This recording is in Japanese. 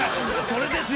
それです。